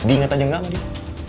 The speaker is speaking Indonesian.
diinget aja gak sama dia